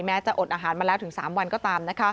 จะอดอาหารมาแล้วถึง๓วันก็ตาม